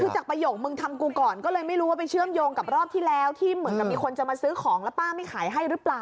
คือจากประโยคมึงทำกูก่อนก็เลยไม่รู้ว่าไปเชื่อมโยงกับรอบที่แล้วที่เหมือนกับมีคนจะมาซื้อของแล้วป้าไม่ขายให้หรือเปล่า